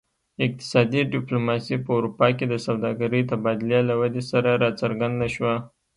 اقتصادي ډیپلوماسي په اروپا کې د سوداګرۍ تبادلې له ودې سره راڅرګنده شوه